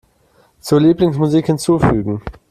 Zur Lieblingsmusik hinzufügen.